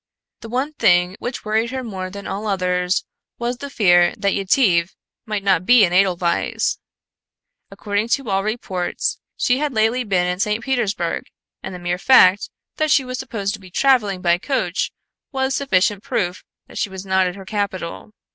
The one thing which worried her more than all others was the fear that Yetive might not be in Edelweiss. According to all reports, she had lately been in St. Petersburg and the mere fact that she was supposed to be traveling by coach was sufficient proof that she was not at her capital.